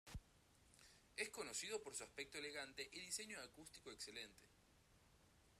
Es conocido por su aspecto elegante y diseño acústico excelente.